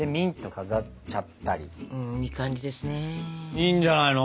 いいんじゃないの？